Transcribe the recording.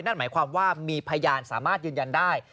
นั่นหมายความว่ามีพยานสามารถยืนยันได้